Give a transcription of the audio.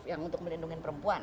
yang untuk melindungi perempuan